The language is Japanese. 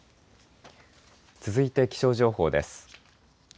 続いて気象情報です。